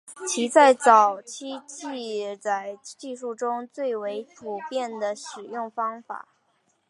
其在早期记载技术中为最为普遍的使用方式。